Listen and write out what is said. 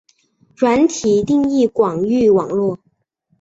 软体定义广域网路。